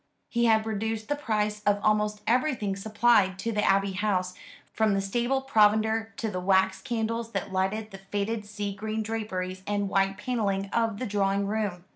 He had reduced the price of almost everything supplied to the Abbey House, from the stable provender to the wax candles that lighted the faded sea green draperies and white panelling of the drawing room.